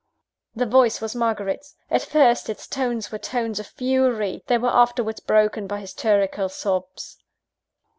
The voice was Margaret's. At first, its tones were tones of fury; they were afterwards broken by hysterical sobs.